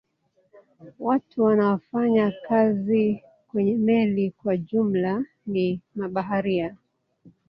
Watu wanaofanya kazi kwenye meli kwa jumla ni mabaharia.